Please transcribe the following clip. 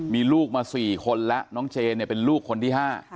มีลูกมา๔คนแล้วน้องเจนเป็นลูกคนที่๕